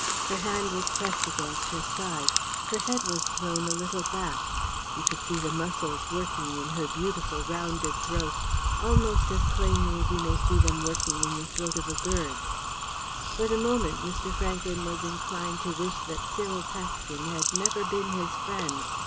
Her hand was pressed against her side; her head was thrown a little back; you could see the muscles working in her beautiful, rounded throat almost as plainly as you may see them working in the throat of a bird. For the moment Mr. Franklyn was inclined to wish that Cyril Paxton had never been his friend.